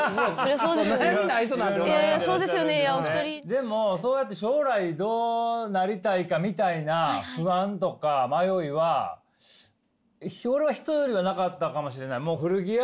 でも将来どうなりたいかみたいな不安とか迷いは俺は人よりはなかったかもしれない。